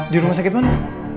di rumah sakit mana